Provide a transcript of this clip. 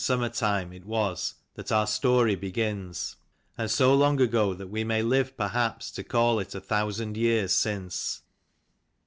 [summer time it was that our THE HOME >tory begins ; and so long ago STEAD AT :hat we may live perhaps to GREENODD. (call it a thousand years since.